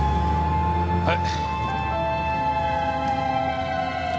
はい。